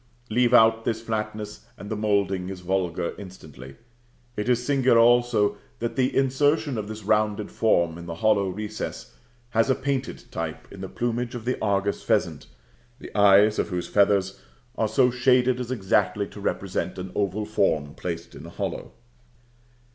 Leave out this flatness, and the moulding is vulgar instantly. It is singular also that the insertion of this rounded form in the hollow recess has a painted type in the plumage of the Argus pheasant, the eyes of whose feathers are so shaded as exactly to represent an oval form placed in a hollow.